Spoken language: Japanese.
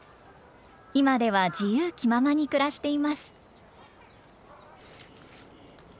今では自由気ままに暮らしています。